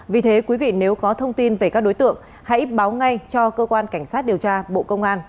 vì thế quý vị nếu có thông tin về các đối tượng hãy báo ngay cho cơ quan cảnh sát điều tra bộ công an